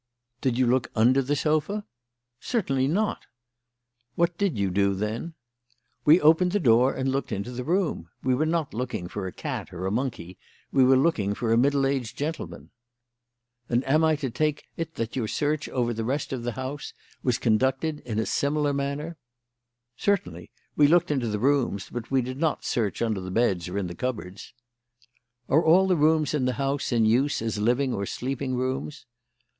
"Did you look under the sofa?" "Certainly not!" "What did you do, then?" "We opened the door and looked into the room. We were not looking for a cat or a monkey; we were looking for a middle aged gentleman." "And am I to take it that your search over the rest of the house was conducted in a similar manner?" "Certainly. We looked into the rooms, but we did not search under the beds or in the cupboards." "Are all the rooms in the house in use as living or sleeping rooms?"